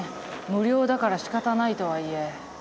無料だからしかたないとはいえ。